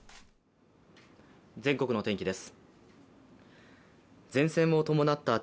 全国の天気です。